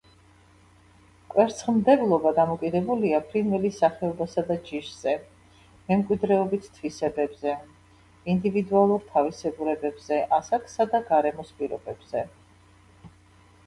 კვერცხმდებლობა დამოკიდებულია ფრინველის სახეობასა და ჯიშზე, მემკვიდრეობით თვისებებზე, ინდივიდუალურ თავისებურებებზე, ასაკსა და გარემოს პირობებზე.